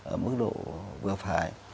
ở mức độ vừa phải